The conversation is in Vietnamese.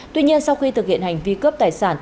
tuy nhiên sau khi thực hiện hành vi cướp tài sản